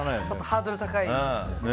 ハードル高いですよね。